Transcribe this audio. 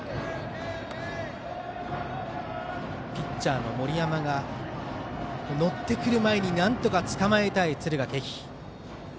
ピッチャーの森山が乗ってくる前になんとかつかまえたい敦賀気比。